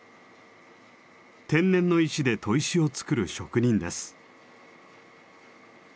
天然の石で砥石を作る職人です。